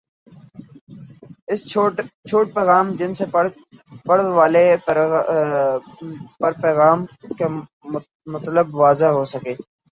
S چھوٹ پیغام جن سے پڑھ والے پر پیغام کا مطلب واضح ہو سکہ